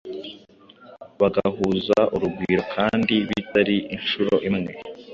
bagahuza urugwiro, kandi bitari inshuro imwe.